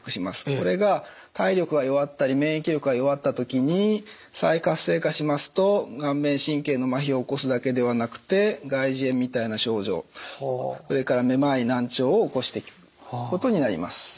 これが体力が弱ったり免疫力が弱った時に再活性化しますと顔面神経のまひを起こすだけではなくて外耳炎みたいな症状それからめまい難聴を起こしていくことになります。